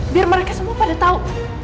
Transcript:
biar mereka semua pada tahu